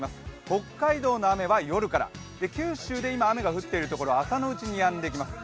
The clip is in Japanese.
北海道の雨は夜から九州で今、雨が降っているところは朝のうちにやんできます。